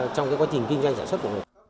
trong các quá trình kinh doanh sản xuất của người